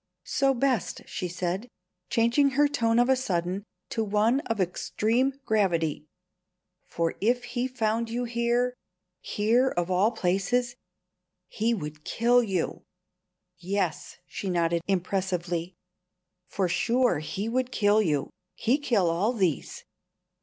"So best," she said, changing her tone of a sudden to one of extreme gravity. "For if he found you here here of all places he would kill you. Yes" she nodded impressively "for sure we would kill you. He kill all these."